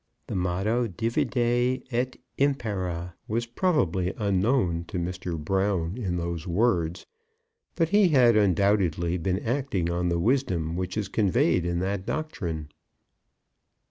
The motto, Divide et impera, was probably unknown to Mr. Brown in those words, but he had undoubtedly been acting on the wisdom which is conveyed in that doctrine.